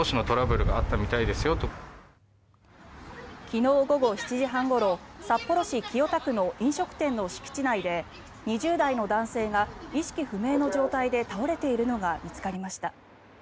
昨日午後７時半ごろ札幌市清田区の飲食店の敷地内で２０代の男性が意識不明の状態で倒れているのが見つかりました。